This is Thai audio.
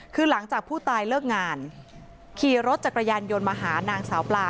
คือหลังจากผู้ตายเลิกงานขี่รถจักรยานยนต์มาหานางสาวปลา